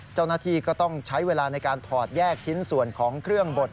เจ้าหน้าที่ก็ต้องใช้เวลาในการถอดแยกชิ้นส่วนของเครื่องบด